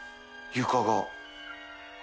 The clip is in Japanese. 床が。